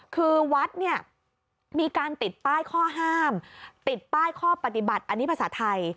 คือวัดเนี่ยมีการติดป้ายข้อห้ามติดป้ายข้อปฏิบัติอันนี้ภาษาไทย